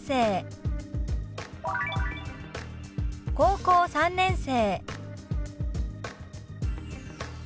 「高校３年生」。